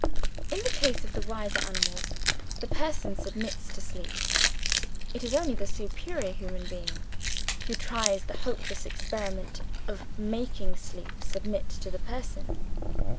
In the case of the wiser animals, the Person submits to Sleep. It is only the superior human being who tries the hopeless experiment of making Sleep submit to the Person.